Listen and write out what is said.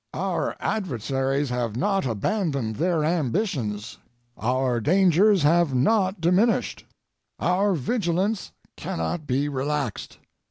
Our adversaries have not abandoned their ambitions, our dangers have not diminished, our vigilance cannot be relaxed.